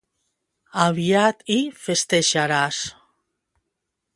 Aviat hi festejaràs.